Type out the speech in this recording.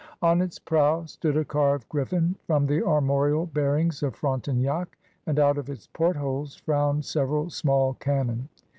On its prow stood a carved griffin, from the annorial bearings of Frontenac» and out of its portholes frowned several small cannon.